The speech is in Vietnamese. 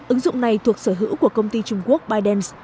ứng dụng này thuộc sở hữu của công ty trung quốc bytedance